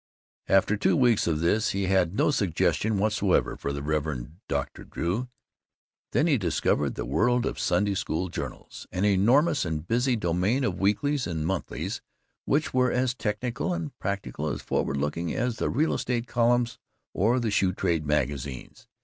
After two weeks of this he had no suggestions whatever for the Reverend Dr. Drew. Then he discovered a world of Sunday School journals, an enormous and busy domain of weeklies and monthlies which were as technical, as practical and forward looking, as the real estate columns or the shoe trade magazines.